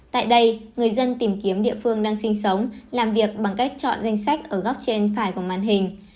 tại đây người dân tìm kiếm địa phương đang sinh sống làm việc bằng cách chọn danh sách ở góc trên phải của màn hình